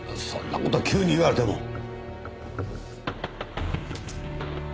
そんな事急に言われても。